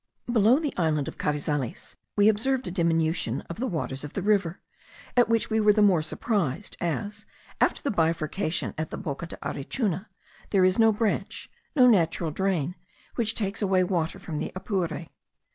Below the island of Carizales we observed a diminution of the waters of the river, at which we were the more surprised, as, after the bifurcation at la Boca de Arichuna, there is no branch, no natural drain, which takes away water from the Apure.